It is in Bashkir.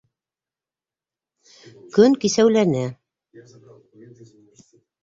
Көн кисәүләне.